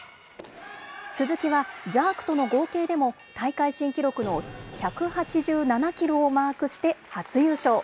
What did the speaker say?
鈴木はジャークとの合計でも大会新記録の１８７キロをマークして初優勝。